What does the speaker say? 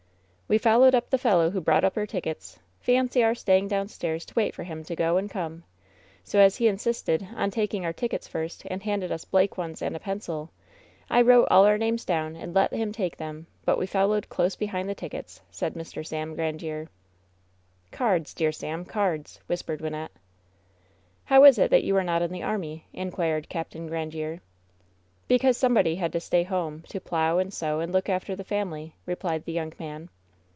"We followed up the fellow who brought up our tick ets. Fancy our staying downstairs to wait for him to go and come ! So as he insisted on taking our tickets first and handed us blank ones and a pencil, I wrote all our names down and let him take them, but we followed close behind the tickets I" said Mr. Sam Grandiere. "Cards, dear Sam I Cards !" whispered Wynnette. "How is it that you are not in the army ?" inquired Capt. Grandiere. "Because somebody had to stay home to plow and sow and look after the family," replied the young man.